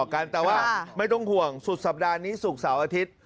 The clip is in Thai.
คุณพิทาไปช่วยผู้สมัครหาเสียงแน่นอน